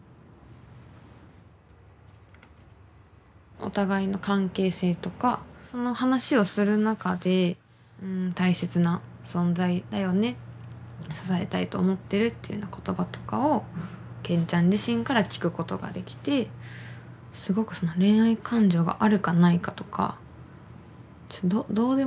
お互いの関係性とかその話をする中で大切な存在だよね支えたいと思ってるっていうような言葉とかをけんちゃん自身から聞くことができてすごくその恋愛感情があるかないかとかどうでもよくなったんですよね。